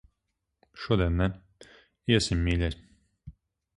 Šodien ne. Iesim, mīļais.